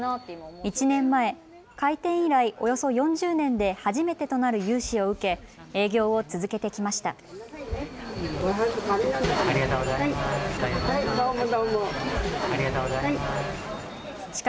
１年前、開店以来およそ４０年で初めてとなる融資を受け営業を続けてきました。